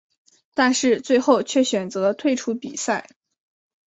但是最后却选择退出比赛。